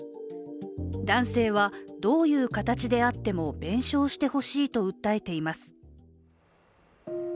男性は、どういう形であっても弁償してほしいと訴えています。